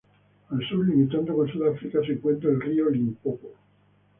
Al sur limitando con Sudáfrica se encuentran el río Limpopo.